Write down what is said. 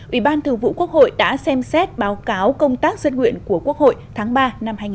ubthqh đã xem xét báo cáo công tác dân nguyện của quốc hội tháng ba năm hai nghìn hai mươi bốn